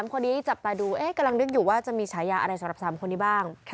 คนนี้จับตาดูกำลังนึกอยู่ว่าจะมีฉายาอะไรสำหรับ๓คนนี้บ้าง